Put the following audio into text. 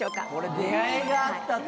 出会いがあったと。